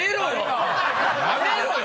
やめろよ！